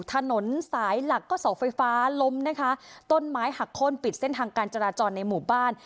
ถนนสายหลักก็เสาไฟฟ้าล้มนะคะต้นไม้หักโค้นปิดเส้นทางการจราจรในหมู่บ้าน